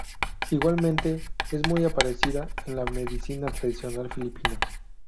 Igualmente, es muy apreciada en la medicina tradicional filipina.